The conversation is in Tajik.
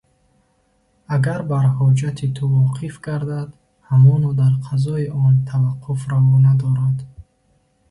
Агар бар ҳоҷати ту воқиф гардад, ҳамоно дар қазои он таваққуф раво надорад.